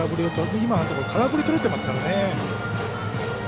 今のところ、空振りをとれてますからね。